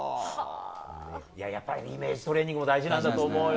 やっぱりイメージトレーニング大事なんだと思うよ。